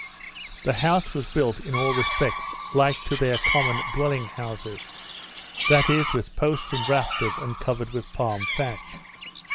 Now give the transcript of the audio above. The house was built, in all respects, like to their common dwelling houses; that is, with posts and rafters, and covered with palm thatch.